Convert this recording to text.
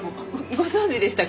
ご存じでしたか？